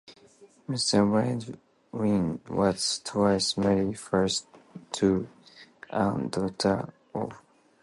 Mr. Baldwin was twice married; first to Ann, daughter of George Williams, of Salem.